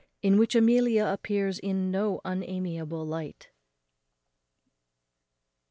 _In which Amelia appears in no unamiable light.